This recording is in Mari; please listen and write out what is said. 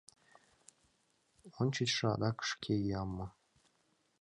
Ончычшо адак шке йӱам мо?